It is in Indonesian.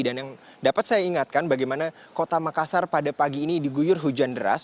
dan yang dapat saya ingatkan bagaimana kota makassar pada pagi ini diguyur hujan deras